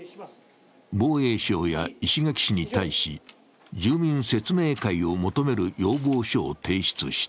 防衛省や石垣市に対し、住民説明会を求める要望書を提出した。